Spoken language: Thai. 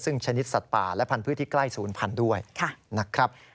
ซึ่งชนิดสัตว์ป่าและพันธุ์พื้นที่ใกล้๐๐๐๐ด้วยนะครับ